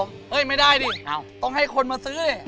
งั้นไม่ได้เนี่ยต้องให้คนมาซื้อ